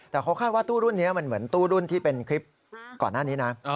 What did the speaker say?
แต่เขาคาดว่าตู้รุ่นนี้มันเหมือนตู้รุ่นที่เป็นคลิปก่อนหน้านี้นะ